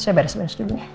saya beres beres dulu